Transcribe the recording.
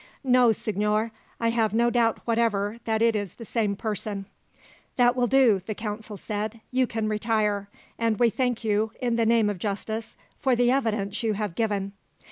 "No, signor, I have no doubt whatever that it is the same person." "That will do," the council said. "You can retire; and we thank you, in the name of justice, for the evidence you have given."